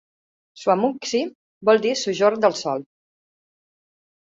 "Suamuxi" vol dir "sojorn del sol".